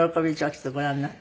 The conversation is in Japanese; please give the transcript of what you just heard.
きっとご覧になって。